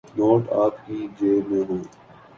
Note آپ کی جیب میں ہوں۔